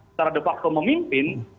secara debak atau memimpin